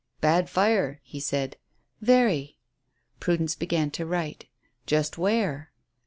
"Bad fire," he said. "Very." Prudence began to write. "Just where?"